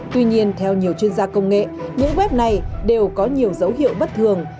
tuy nhiên theo nhiều chuyên gia công nghệ những web này đều có nhiều dấu hiệu bất thường